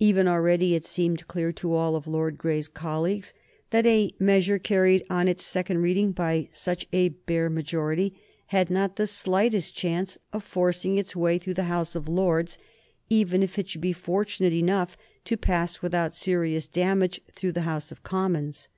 Even already it seemed clear to all of Lord Grey's colleagues that a measure carried on its second reading by such a bare majority had not the slightest chance of forcing its way through the House of Lords, even if it should be fortunate enough to pass without serious damage through the House of Commons.